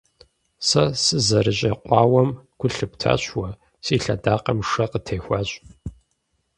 Сэ сызэрещӀэкъуауэм гу лъыптащ уэ: си лъэдакъэм шэ къытехуащ.